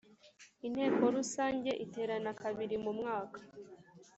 inteko rusange iterana kabiri mu mwaka